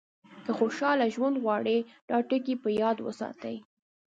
که خوشاله ژوند غواړئ دا ټکي په یاد وساتئ.